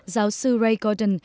giáo sư ray gordon